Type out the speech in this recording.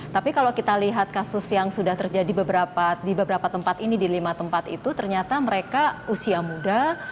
tapi kalau kita lihat kasus yang sudah terjadi di beberapa tempat ini di lima tempat itu ternyata mereka usia muda